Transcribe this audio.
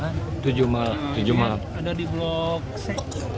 ada di blok c